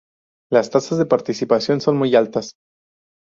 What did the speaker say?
Las tasas de participación son muy altas.